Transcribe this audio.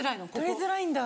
取りづらいんだ。